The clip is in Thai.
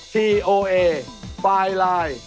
ทีโอเอปายลาย